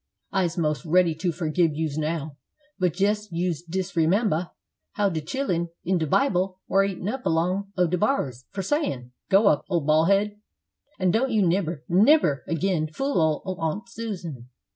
"I's mos' ready to forgib yous now; but jes you disremember how de chillun in de Bible war eaten up along o' de bars for sayin', 'Go up, ole bal' head!' an' don't you nebber, nebber agin fool ole Aunt Susan."